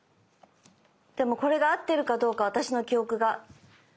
でもこれが合ってるかどうか私の記憶が。